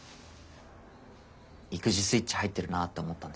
育児スイッチ入ってるなって思ったんです。